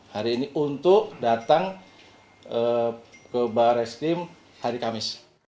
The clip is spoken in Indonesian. hari ini untuk datang ke bahar restim hari kamis